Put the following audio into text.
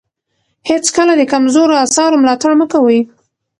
هېڅکله د کمزورو اثارو ملاتړ مه کوئ.